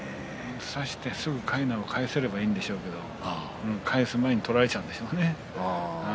差してすぐかいなを返せればいいんですがその前に取られちゃうんですね。